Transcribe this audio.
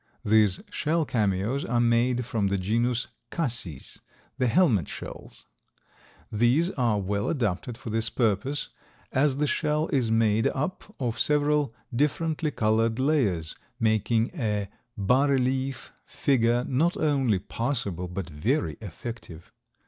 These shell cameos are made from the genus Cassis, the helmet shells. These are well adapted for this purpose, as the shell is made up of several differently colored layers, making a bas relief figure not only possible but very effective.